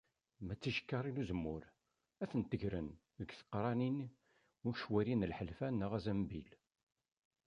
Ma d ticekkarin n uzemmur, ad tent-gren deg teqrinin n ccwari n lḥelfa neɣ azenbil